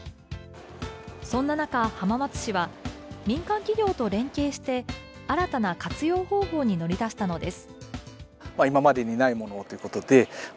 そんな中、浜松市は民間企業と連携して新たな活用方法に乗り出したのです。